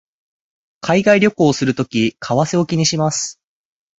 海外旅行をするとき為替を気にします